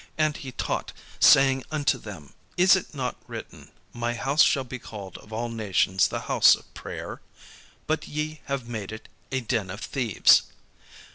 And he taught, saying unto them: "Is it not written, 'My house shall be called of all nations the house of prayer?' but ye have made it a den of thieves."